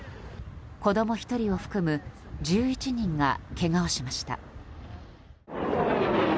子供１人を含む１１人がけがをしました。